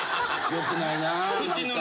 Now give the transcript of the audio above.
よくないな何か。